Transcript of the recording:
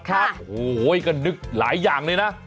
โอ้โหก็นึกหลายอย่างเลยนะ